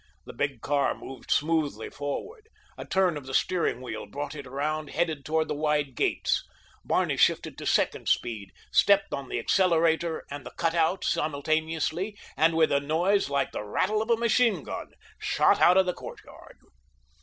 The big car moved smoothly forward. A turn of the steering wheel brought it around headed toward the wide gates. Barney shifted to second speed, stepped on the accelerator and the cut out simultaneously, and with a noise like the rattle of a machine gun, shot out of the courtyard.